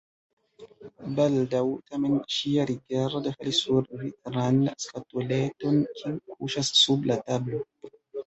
Baldaŭ tamen ŝia rigardo falis sur vitran skatoleton, kiu kuŝas sub la tablo.